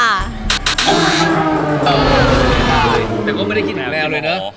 ใช่แต่ก็ไม่ได้คิดถึงแมวเลยเนอะ